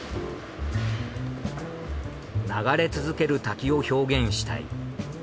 流れ続ける滝を表現したい。